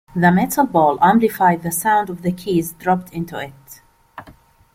The metal bowl amplified the sound of the keys dropped into it.